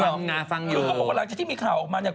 หมอคุณก็บอกว่าอยากจะที่มีข่าวออกมาเนี่ย